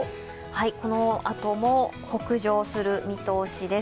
このあとも北上する見通しです。